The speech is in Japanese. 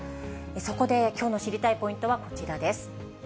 そこできょうの知りたいポイントはこちらです。